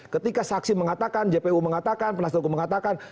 ketika saksi mengatakan jpu mengatakan penasihat hukum mengatakan